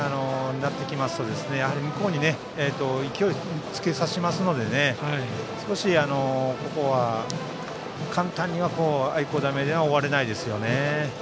目立ってきますと向こうに勢いをつけさせますのでここは簡単には愛工大名電は終われないですよね。